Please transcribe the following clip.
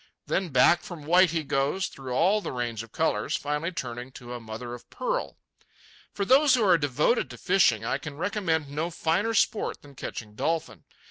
Then back from white he goes, through all the range of colours, finally turning to a mother of pearl. For those who are devoted to fishing, I can recommend no finer sport than catching dolphin.